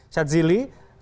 selamat malam apa kabar